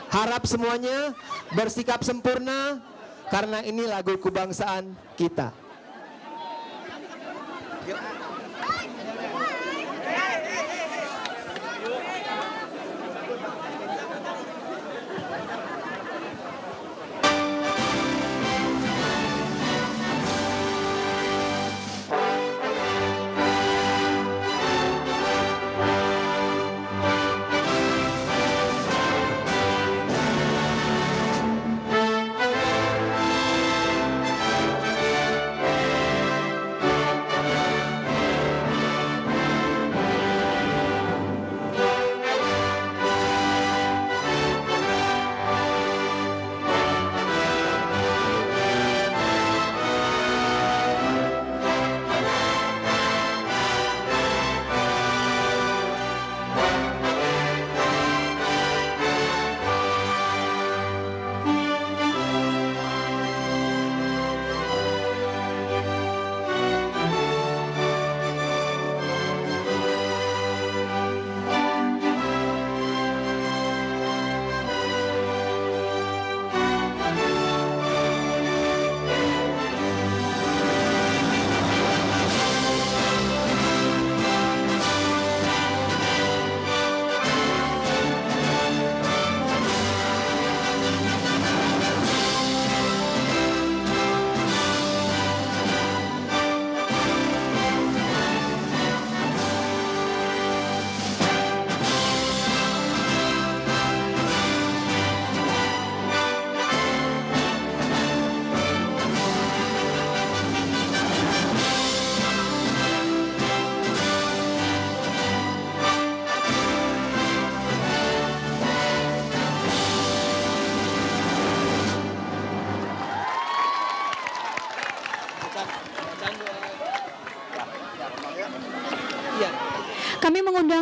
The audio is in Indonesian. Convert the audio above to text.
harap semuanya bersikap sempurna karena ini lagu kebangsaan kita